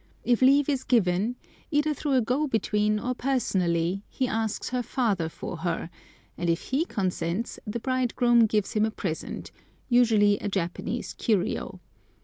If leave is given, either through a "go between" or personally, he asks her father for her, and if he consents the bridegroom gives him a present, usually a Japanese "curio."